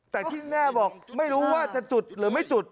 แต่ที่แน่บอกไม่รู้ว่าจะจุดหรือไม่จุด